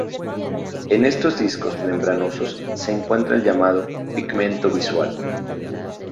En estos discos membranosos se encuentra el llamado pigmento visual.